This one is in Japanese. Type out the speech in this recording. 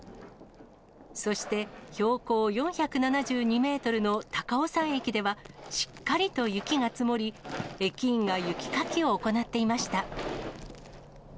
そして、標高４７２メートルの高尾山駅では、しっかりと雪が積もり、駅員が雪かきを行っていました。